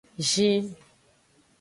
Zin.